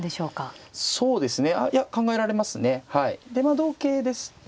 まあ同桂ですと。